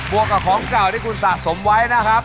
วกกับของเก่าที่คุณสะสมไว้นะครับ